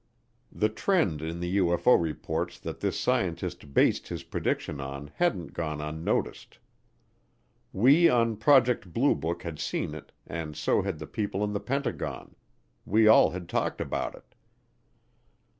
The trend in the UFO reports that this scientist based his prediction on hadn't gone unnoticed. We on Project Blue Book had seen it, and so had the people in the Pentagon; we all had talked about it.